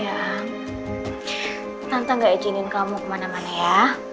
sayang tante nggak izinin kamu ke mana mana ya